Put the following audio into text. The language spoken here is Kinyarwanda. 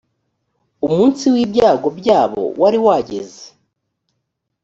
umunsi w’ibyago byabo wari wageze